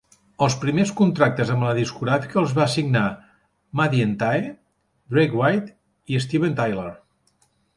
Els primers contractes amb la discogràfica els van signar Maddie and Tae, Drake White i Steven Tyler.